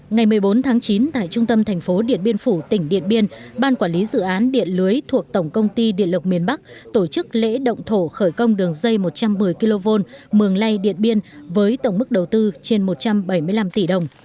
ngày một mươi bốn tháng chín tại trung tâm thành phố điện biên phủ tỉnh điện biên ban quản lý dự án điện lưới thuộc tổng công ty điện lực miền bắc tổ chức lễ động thổ khởi công đường dây một trăm một mươi kv mường lay điện biên với tổng mức đầu tư trên một trăm bảy mươi năm tỷ đồng